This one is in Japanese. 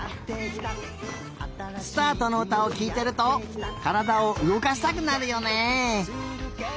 「すたあと」のうたをきいてるとからだをうごかしたくなるよね。